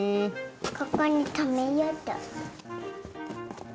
ここにとめようっと。